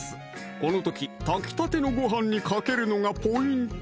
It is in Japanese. この時炊きたてのご飯にかけるのがポイント！